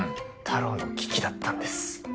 太郎の危機だったんです。